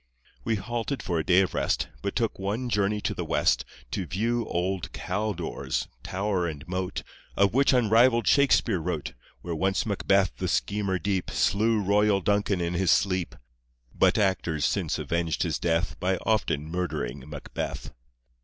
We halted for a day of rest, But took one journey to the West To view old Cawdor's tower and moat Of which unrivalled Shakespeare wrote, Where once Macbeth, the schemer deep, Slew royal Duncan in his sleep, But actors since avenged his death By often murdering Macbeth.